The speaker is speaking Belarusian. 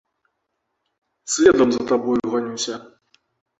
Следам за табой ганюся.